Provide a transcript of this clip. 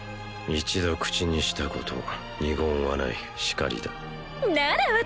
一度口にしたこと二言はないしかりだなら